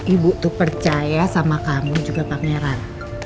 ibu tuh percaya sama kamu juga pameran